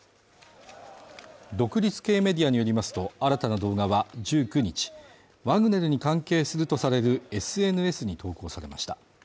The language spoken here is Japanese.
独立系メディアによりますと、新たな動画は１９日ワグネルに関係するとされるＳＮＳに投稿されました。